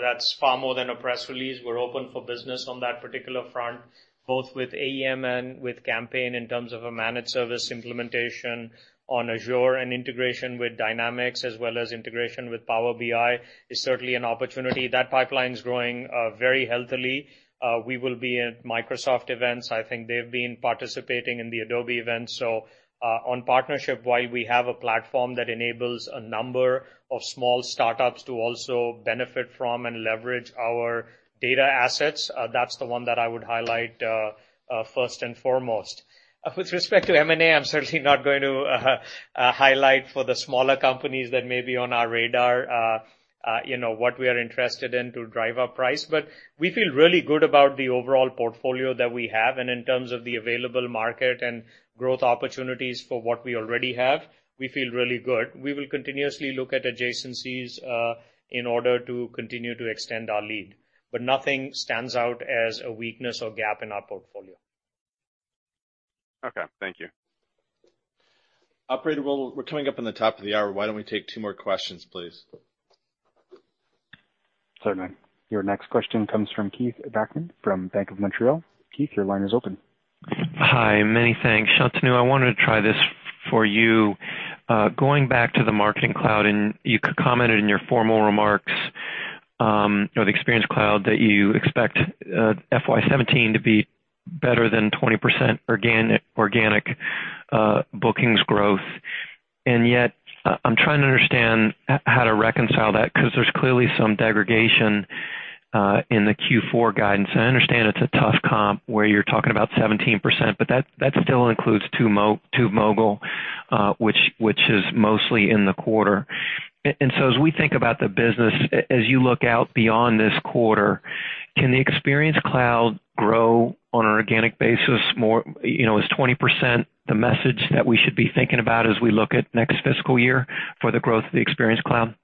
That's far more than a press release. We're open for business on that particular front, both with AEM and with Campaign in terms of a managed service implementation on Azure and integration with Dynamics, as well as integration with Power BI, is certainly an opportunity. That pipeline's growing very healthily. We will be at Microsoft events. I think they've been participating in the Adobe events. On partnership, while we have a platform that enables a number of small startups to also benefit from and leverage our data assets, that's the one that I would highlight first and foremost. With respect to M&A, I'm certainly not going to highlight for the smaller companies that may be on our radar, what we are interested in to drive our price. We feel really good about the overall portfolio that we have. In terms of the available market and growth opportunities for what we already have, we feel really good. We will continuously look at adjacencies in order to continue to extend our lead, but nothing stands out as a weakness or gap in our portfolio. Okay, thank you. Operator, we're coming up on the top of the hour. Why don't we take two more questions, please? Certainly. Your next question comes from Keith Bachman from Bank of Montreal. Keith, your line is open. Hi, many thanks. Shantanu, I wanted to try this for you. Going back to the Marketing Cloud, you commented in your formal remarks, the Experience Cloud, that you expect FY 2017 to be better than 20% organic bookings growth. Yet, I'm trying to understand how to reconcile that, because there's clearly some degradation in the Q4 guidance. I understand it's a tough comp where you're talking about 17%, but that still includes TubeMogul which is mostly in the quarter. As we think about the business, as you look out beyond this quarter, can the Experience Cloud grow on an organic basis more? Is 20% the message that we should be thinking about as we look at next fiscal year for the growth of the Experience Cloud?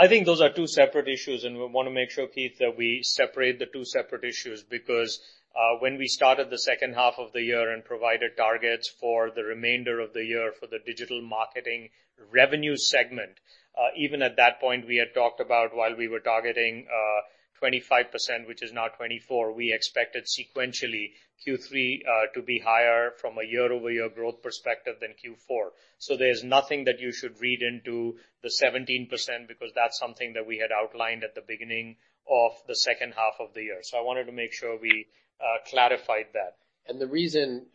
I think those are two separate issues, and we want to make sure, Keith, that we separate the two separate issues, because when we started the second half of the year and provided targets for the remainder of the year for the digital marketing revenue segment, even at that point, we had talked about while we were targeting 25%, which is now 24%, we expected sequentially Q3 to be higher from a year-over-year growth perspective than Q4. There's nothing that you should read into the 17% because that's something that we had outlined at the beginning of the second half of the year. I wanted to make sure we clarified that. The reason,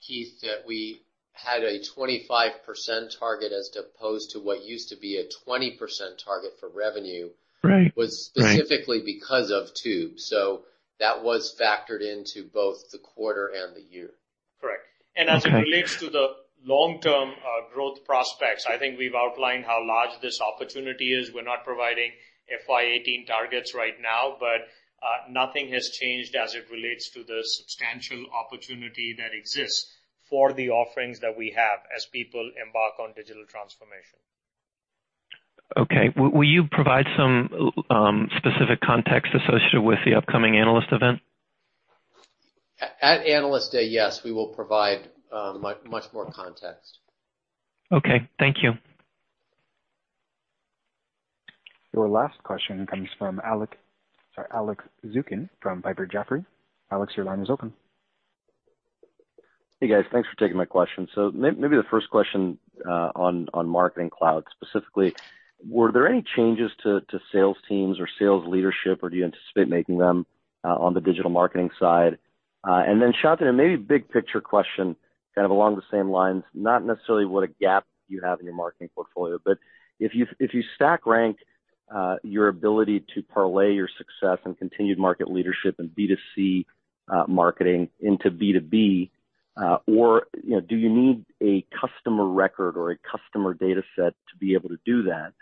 Keith, that we had a 25% target as opposed to what used to be a 20% target for revenue. Right Was specifically because of Tube. That was factored into both the quarter and the year. Correct. Okay. As it relates to the long-term growth prospects, I think we've outlined how large this opportunity is. We're not providing FY 2018 targets right now, but nothing has changed as it relates to the substantial opportunity that exists for the offerings that we have as people embark on digital transformation. Okay. Will you provide some specific context associated with the upcoming analyst event? At Analyst Day, yes, we will provide much more context. Okay. Thank you. Your last question comes from Alex Zukin from Piper Jaffray. Alex, your line is open. Hey, guys. Thanks for taking my question. Maybe the first question on Marketing Cloud specifically, were there any changes to sales teams or sales leadership, or do you anticipate making them on the digital marketing side? Shantanu, maybe big picture question, kind of along the same lines. Not necessarily what a gap you have in your marketing portfolio, but if you stack rank your ability to parlay your success and continued market leadership in B2C marketing into B2B, or do you need a customer record or a customer data set to be able to do that?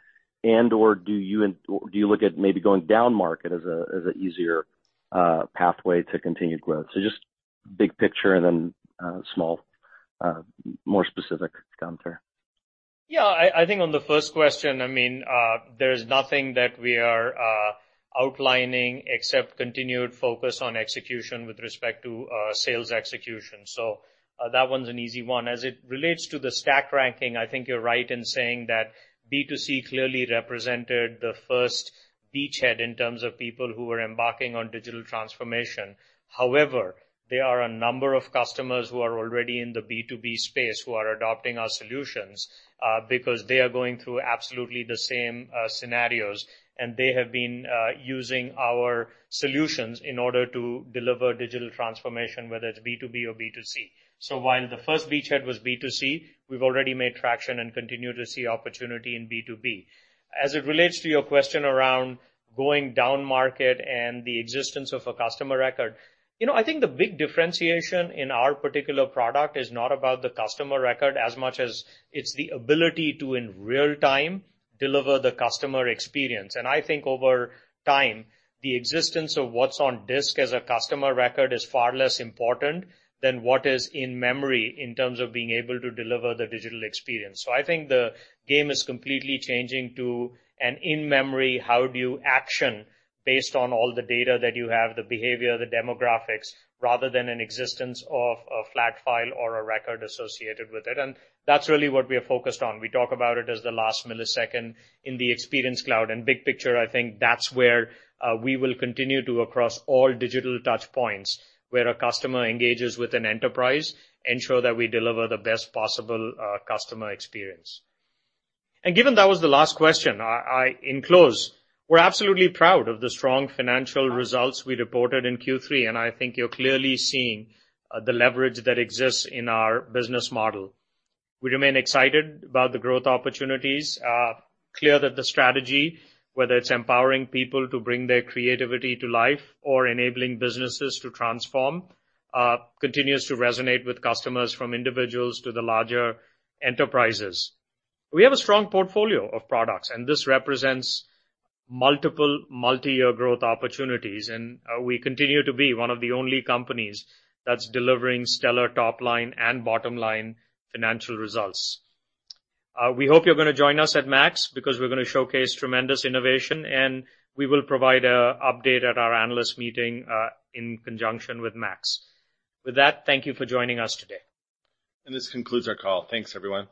Or do you look at maybe going down market as an easier pathway to continued growth? Just big picture and then small, more specific counter. Yeah, I think on the first question, there's nothing that we are outlining except continued focus on execution with respect to sales execution. That one's an easy one. As it relates to the stack ranking, I think you're right in saying that B2C clearly represented the first beachhead in terms of people who were embarking on digital transformation. There are a number of customers who are already in the B2B space who are adopting our solutions because they are going through absolutely the same scenarios, and they have been using our solutions in order to deliver digital transformation, whether it's B2B or B2C. While the first beachhead was B2C, we've already made traction and continue to see opportunity in B2B. As it relates to your question around going down market and the existence of a customer record, I think the big differentiation in our particular product is not about the customer record as much as it's the ability to, in real time, deliver the customer experience. I think over time, the existence of what's on disk as a customer record is far less important than what is in memory in terms of being able to deliver the digital experience. I think the game is completely changing to an in-memory, how do you action based on all the data that you have, the behavior, the demographics, rather than an existence of a flat file or a record associated with it. That's really what we are focused on. We talk about it as the last millisecond in the Experience Cloud. Big picture, I think that's where we will continue to, across all digital touch points, where a customer engages with an enterprise, ensure that we deliver the best possible customer experience. Given that was the last question, in close, we're absolutely proud of the strong financial results we reported in Q3. I think you're clearly seeing the leverage that exists in our business model. We remain excited about the growth opportunities, clear that the strategy, whether it's empowering people to bring their creativity to life or enabling businesses to transform, continues to resonate with customers, from individuals to the larger enterprises. We have a strong portfolio of products. This represents multiple multi-year growth opportunities. We continue to be one of the only companies that's delivering stellar top-line and bottom-line financial results. We hope you're going to join us at MAX, because we're going to showcase tremendous innovation. We will provide an update at our analyst meeting in conjunction with MAX. With that, thank you for joining us today. This concludes our call. Thanks, everyone.